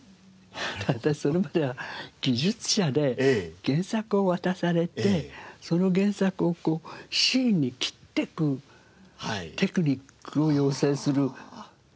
私それまでは技術者で原作を渡されてその原作をシーンに切ってくテクニックを養成する学校だと思って。